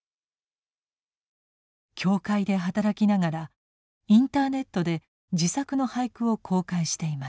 教会で働きながらインターネットで自作の俳句を公開しています。